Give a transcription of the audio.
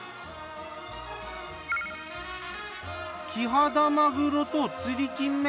キハダマグロと釣りキンメ。